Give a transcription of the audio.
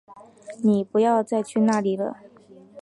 妳不要再去那里了